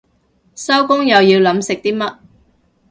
收工又要諗食啲乜